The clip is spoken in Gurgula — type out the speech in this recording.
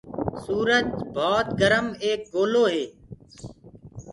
سُرج ڀوت گرم ايڪ لوڪو هي۔